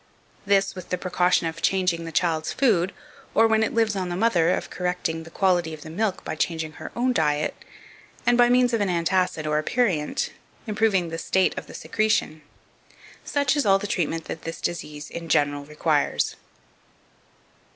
This, with the precaution of changing the child's food, or, when it lives on the mother, of correcting the quality of the milk by changing her own diet, and, by means of an antacid or aperient, improving the state of the secretion. Such is all the treatment that this disease in general requires.